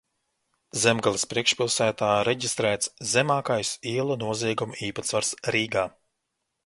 Zemgales priekšpilsētā reģistrēts zemākais ielu noziegumu īpatsvars Rīgā.